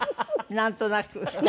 なんとなく。